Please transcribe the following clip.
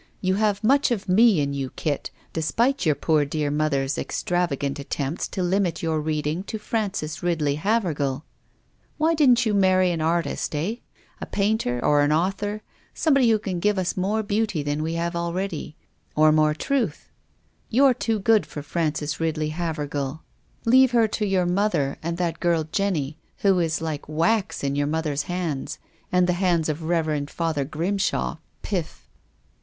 "You have much of me in you. Kit, despite your poor dear mother's extrav agant attempts to limit your reading to Frances Ridley Havergal. Why didn't you marry an artist, eh ? A painter or an author, somebody •who can give us more beauty than we have al •'WILLIAM FOSTER." I3I ready, or more truth ? You're too good for P'rances Ridley Havergal. Leave her to your mother and that girl, Jenny, who is like wax in your mother's hands and the hands of the Rev. Father Grimshaw. Piff